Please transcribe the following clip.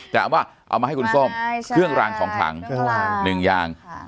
จะเอามาเอามาให้คุณส้มใช่ค่ะเครื่องรางของขลังเครื่องรางหนึ่งอย่าง